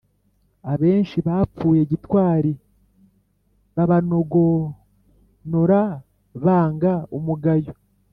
Abenshi bapfuye gitwari Babanogonora banga umugayo.